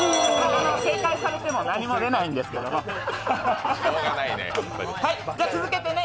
正解されても何も出ないんですけどね。